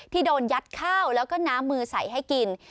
โดนยัดข้าวแล้วก็น้ำมือใส่ให้กิน